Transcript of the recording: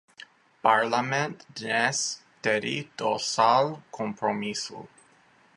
Parlament dnes tedy dosáhl kompromisu.